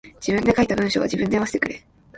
自分で書いた文章は自分で読ませてくれ。